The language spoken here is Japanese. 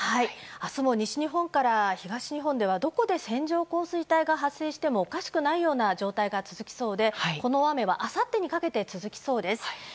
明日も西日本から東日本でどこで線状降水帯が発生してもおかしくないような状態が続きそうでこの雨はあさってにかけて続きそうです。